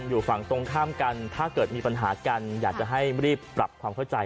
อยู่ฝั่งตรงข้ามกันถ้าเกิดมีปัญหากันอยากจะให้รีบปรับความเข้าใจ